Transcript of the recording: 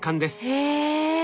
へえ。